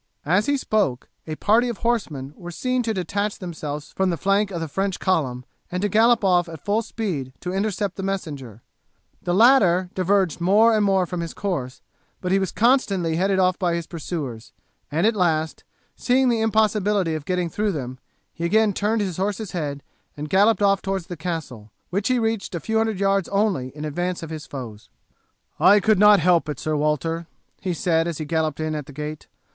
As he spoke a party of horsemen were seen to detach themselves from the flank of the French column and to gallop off at full speed to intercept the messenger; the latter diverged more and more from his course, but he was constantly headed off by his pursuers, and at last, seeing the impossibility of getting through them, he again turned his horse's head and galloped off towards the castle, which he reached a few hundred yards only in advance of his foes. "I could not help it, Sir Walter," he said, as he galloped in at the gate.